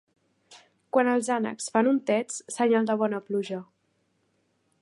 Quan els ànecs fan untets, senyal de bona pluja.